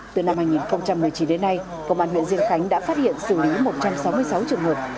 từ năm hai nghìn một mươi chín đến nay công an huyện diên khánh đã phát hiện xử lý một trăm sáu mươi sáu trường hợp